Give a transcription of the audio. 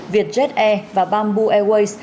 việt jet air và bamboo airways